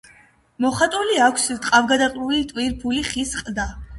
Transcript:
მოხატული აქვს ტყავგადაკრული ტვიფრული ხის ყდა.